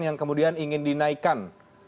yang kemudian ingin dinaikkan